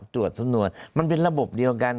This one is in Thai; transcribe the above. ตรวจสำนวนมันเป็นระบบเดียวกัน